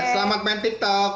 selamat main tiktok